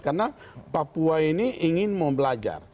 karena papua ini ingin membelajar